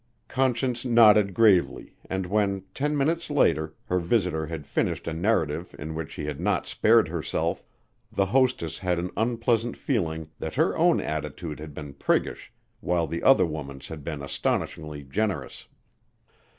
Conscience nodded gravely and when, ten minutes later, her visitor had finished a narrative in which she had not spared herself, the hostess had an unpleasant feeling that her own attitude had been priggish while the other woman's had been astonishingly generous.